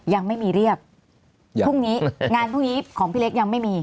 ยังไม่มีเรียบพรุ่งนี้งานพรุ่งนี้ของพี่เล็กยังไม่มี